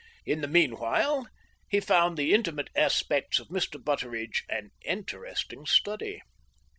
In the meanwhile, he found the intimate aspects of Mr. Butteridge an interesting study.